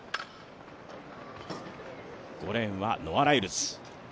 ５レーンはノア・ライルズ。